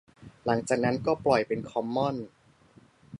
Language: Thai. หลังจากนั้นก็ปล่อยเป็นคอมมอนส์